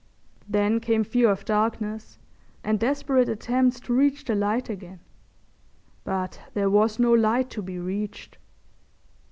Then came fear of darkness and desperate attempts to reach the light again. But there was no light to be reached.